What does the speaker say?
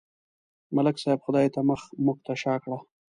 ملک صاحب خدای ته مخ، موږ ته شا کړه.